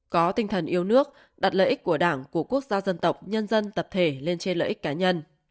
có tinh thần yêu nước đặt lợi ích của đảng của quốc gia dân tộc nhân dân tập thể lên trên lợi ích cá nhân